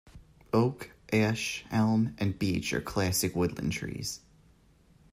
Oak, ash, elm and beech are classic woodland trees.